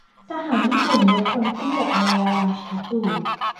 ทหารญี่ปุ่นยกพลขึ้นบกในเวลาเช้าตรู่